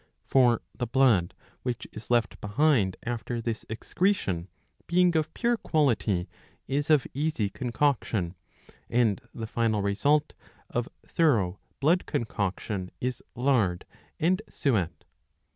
For the blood which is left behind after this excretion, being of pure quality, is of easy concoction, and the final result of thorough blood concoction is lard and suet.